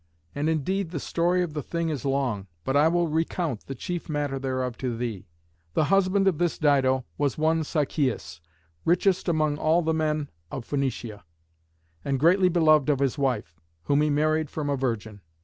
And indeed the story of the thing is long, but I will recount the chief matter thereof to thee. The husband of this Dido was one Sichæus, richest among all the men of Phœnicia, and greatly beloved of his wife, whom he married from a virgin.